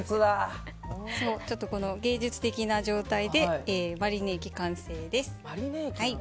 芸術的な状態でマリネ液完成です。